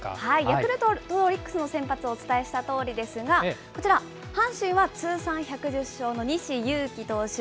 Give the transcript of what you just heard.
ヤクルトとオリックスの先発、お伝えしたとおりですが、こちら、阪神は通算１１０勝の西勇輝投手。